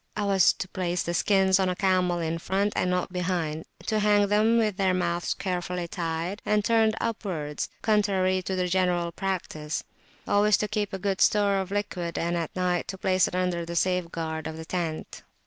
I was to place the skins on a camel in front, and not behind; to hang them with their mouths carefully tied, and turned upwards, contrary to the general practice; always to keep a good store of liquid, and at night to place it under the safeguard of the tent.